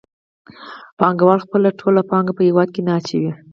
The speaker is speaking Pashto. پانګوال خپله ټوله پانګه په هېواد کې نه اچوي